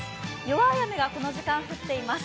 弱い雨がこの時間、降っています。